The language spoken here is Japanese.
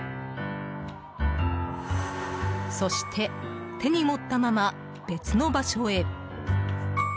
そして、手に持ったまま別の場所へ。